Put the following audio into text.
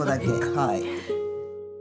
はい。